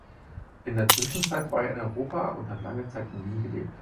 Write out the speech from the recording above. In der Zwischenzeit war er in Europa und hat lange Zeit in Wien gelebt.